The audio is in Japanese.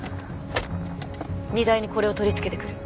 荷台にこれを取り付けてくる。